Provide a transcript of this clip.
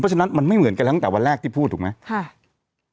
ฉะนั้นมันไม่เหมือนกันตั้งแต่วันแรกที่พูดถูกไหม